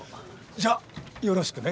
じゃよろしくね。